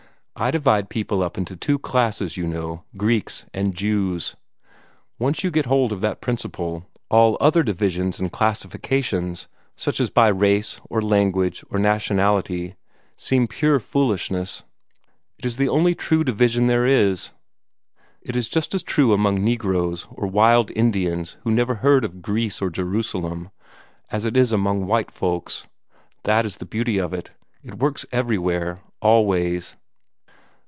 I divide people up into two classes, you know Greeks and Jews. Once you get hold of that principle, all other divisions and classifications, such as by race or language or nationality, seem pure foolishness. It is the only true division there is. It is just as true among negroes or wild Indians who never heard of Greece or Jerusalem, as it is among white folks. That is the beauty of it. It works everywhere, always."